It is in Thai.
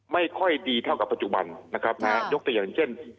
ไม่ค่อยดีเท่ากับปัจจุบันนะครับนะฮะยกตัวอย่างเช่น